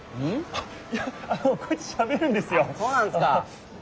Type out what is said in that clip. あっそうなんですか！